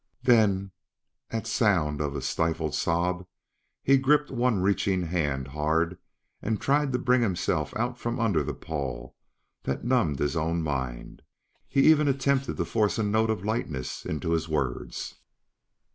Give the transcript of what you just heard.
Then, at sound of a stifled sob, he gripped one reaching hand hard and tried to bring himself out from under the pall that numbed his own mind; he even attempted to force a note of lightness into his words.